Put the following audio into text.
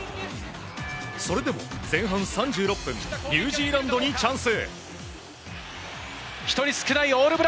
それでも前半３６分ニュージーランドにチャンス。